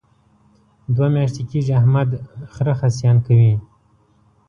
دوه میاشتې کېږي احمد خره خصیان کوي.